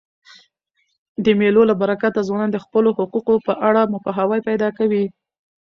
د مېلو له برکته ځوانان د خپلو حقوقو په اړه پوهاوی پیدا کوي.